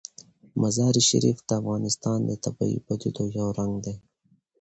مزارشریف د افغانستان د طبیعي پدیدو یو رنګ دی.